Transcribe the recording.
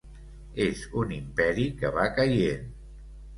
És un imperi que va caient.